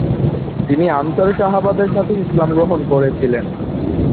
তিনি আনসার সাহাবাদের সাথে ইসলাম গ্রহণ করেছিলেন।